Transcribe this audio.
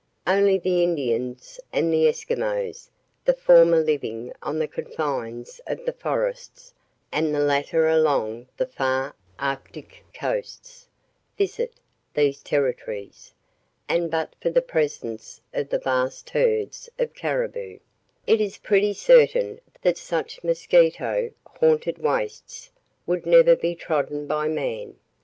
Only the Indians and the Eskimos (the former living on the confines of the forests, and the latter along the far Arctic coasts) visit these territories, and but for the presence of the vast herds of caribou, it is pretty certain that such mosquito haunted wastes would never be trodden by man.